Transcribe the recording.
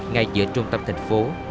ngay giữa trung tâm thành phố